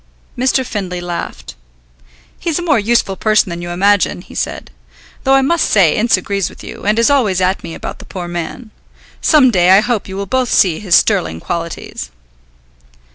Mr. Findlay laughed. "He's a more useful person than you imagine," he said. "Though I must say Ince agrees with you, and is always at me about the poor man. Some day I hope you will both see his sterling qualities."